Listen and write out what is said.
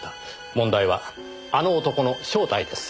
問題は「あの男」の正体です。